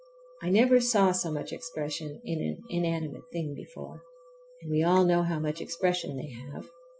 I never saw so much expression in an inanimate thing before, and we all know how much expression they have!